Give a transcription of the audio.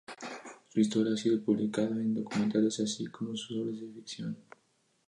Su historia ha sido publicada en documentales así como en obras de ficción.